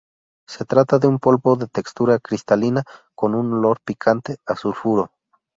Se trata de un polvo de textura cristalina con un olor picante a sulfuro.